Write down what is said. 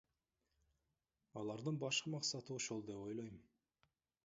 Алардын башкы максаты ошол деп ойлойм.